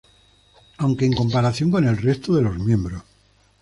Aunque en comparación con el resto de los miembros.